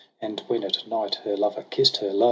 And when at night her lover kisst her, lo